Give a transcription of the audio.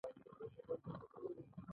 دا یو قانوني سند ګڼل کیږي.